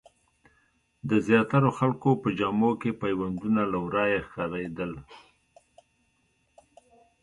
د زیاترو خلکو په جامو کې پیوندونه له ورايه ښکارېدل.